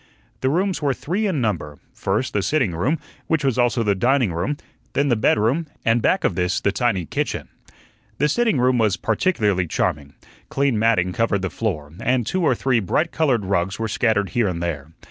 The rooms were three in number first, the sitting room, which was also the dining room; then the bedroom, and back of this the tiny kitchen. The sitting room was particularly charming. Clean matting covered the floor, and two or three bright colored rugs were scattered here and there.